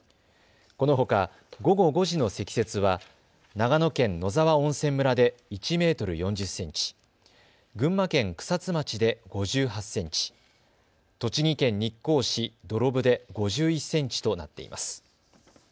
このほか午後５時の積雪は長野県野沢温泉村で１メートル４０センチ、群馬県草津町で５８センチ、栃木県日光市土呂部で５１センチとなっています。